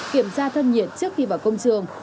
kiểm tra thân nhiệt trước khi vào công trường